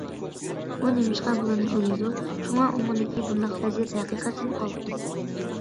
ئۇ نېمىشقا بۇلارنى ئويلايدۇ؟ شۇڭا ئۇنىڭدىكى بۇنداق پەزىلەت ھەقىقەتەن قالتىس.